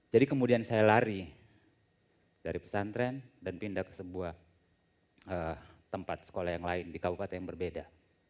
jadi kemudian saya lari dari pesantren dan pindah ke sebuah tempat sekolah yang lain di kabupaten yang berbeda